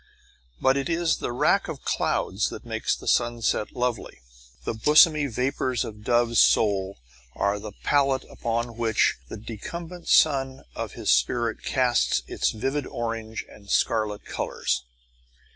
But it is the rack of clouds that makes the sunset lovely. The bosomy vapours of Dove's soul are the palette upon which the decumbent sun of his spirit casts its vivid orange and scarlet colours.